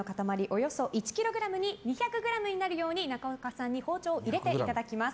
およそ１ｋｇに２００ｇになるように中岡さんに包丁を入れていただきます。